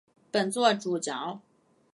本作主角。